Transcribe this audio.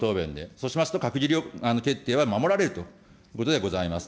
そうしますと、閣議決定は守られるということでございます。